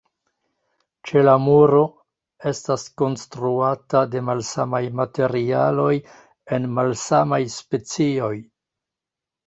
Ĉela muro estas konstruata de malsamaj materialoj en malsamaj specioj.